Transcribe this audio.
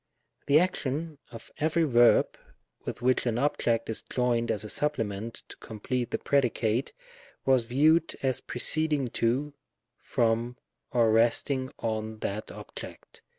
The action of every verb with which an object is joined as a supplement to complete the predicate, was viewed as preceding to, from, or resting on that object.